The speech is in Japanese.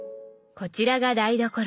こちらが台所。